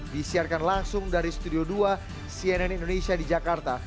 disiarkan langsung dari studio dua cnn indonesia di jakarta